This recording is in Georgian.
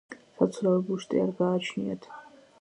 საცურავი ბუშტი არ გააჩნიათ.